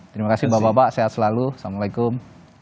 terima kasih bapak bapak sehat selalu assalamualaikum